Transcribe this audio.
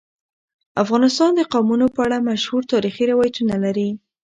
افغانستان د قومونه په اړه مشهور تاریخی روایتونه لري.